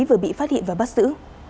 vừa bị phát hiện và bắt giữ